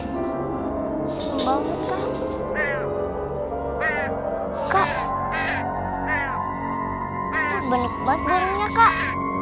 seru banget kak